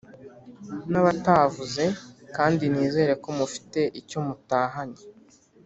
n’abatavuze kandi nizere ko mufite icyo mutahanye.